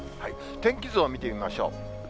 天気図を見てみましょう。